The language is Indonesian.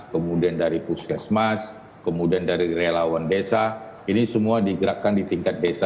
kemudian dari puskesmas kemudian dari relawan desa ini semua digerakkan di tingkat desa